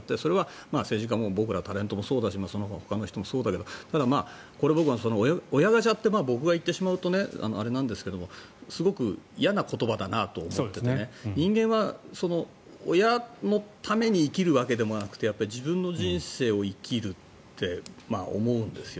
僕らタレントもそうだしそのほかの人もそうだけどこれ、親ガチャって僕が言ってしまうとあれなんですがすごく嫌な言葉だと思っていて人間は親のために生きるわけでもなくて自分の人生を生きるって思うんですよ。